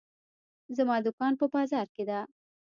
زما دوکان په بازار کې ده.